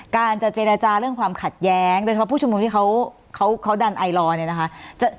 การจะเจรจาเรื่องความขัดแย้งโดยเฉพาะผู้ชุมนุมที่เขาดันไอลอร์เนี่ยนะคะ